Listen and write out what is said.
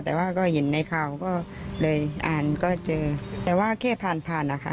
แต่ว่าก็เห็นในข่าวก็เลยอ่านก็เจอแต่ว่าแค่ผ่านผ่านนะคะ